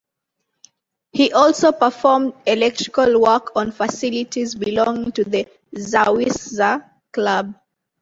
He also performed electrical work on facilities belonging to the Zawisza club.